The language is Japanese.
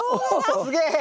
すげえ！